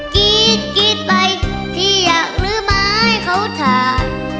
กรี๊ดกรี๊ดไปพี่อยากลื้อไม้เขาทาน